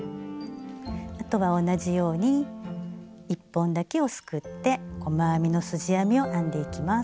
あとは同じように１本だけをすくって細編みのすじ編みを編んでいきます。